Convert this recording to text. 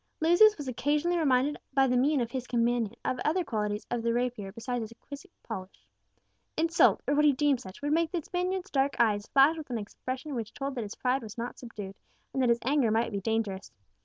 Lucius was occasionally reminded by the mien of his companion of other qualities of the rapier besides its exquisite polish. Insult, or what he deemed such, would make the Spaniard's dark eyes flash with an expression which told that his pride was not subdued, and that his anger might be dangerous.